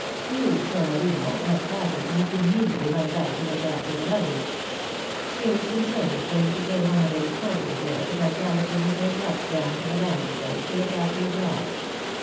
You, Tornorino and Patty, must immediately run back to look after the luggage. Here is some silver for you to pay one of those porters there that are galloping with their trucks down to the landing place to look after a job.